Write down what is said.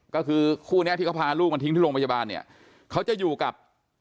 ก็คือคู่เนี้ยที่เขาพาลูกมาทิ้งที่โรงพยาบาลเนี่ยเขาจะอยู่กับ